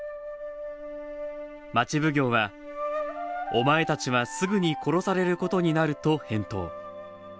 町奉行は、お前たちはすぐに殺されることになると返答。